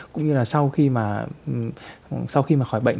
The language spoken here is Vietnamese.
cũng như là sau khi mà khỏi bệnh